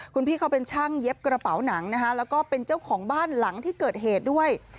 คุณพี่เขาเป็นช่างเย็บกระเป๋าหนังนะคะแล้วก็เป็นเจ้าของบ้านหลังที่เกิดเหตุด้วย